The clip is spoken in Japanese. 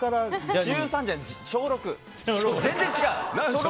全然違う！